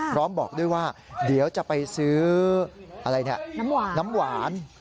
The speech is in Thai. พร้อมบอกด้วยว่าเดี๋ยวจะไปซื้อน้ำหวาน